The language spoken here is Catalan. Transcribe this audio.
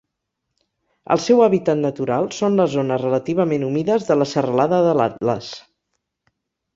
El seu hàbitat natural són les zones relativament humides de la serralada de l'Atles.